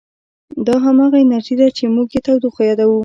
دا همغه انرژي ده چې موږ یې تودوخه یادوو.